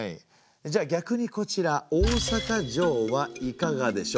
じゃあ逆にこちら大坂城はいかがでしょうか？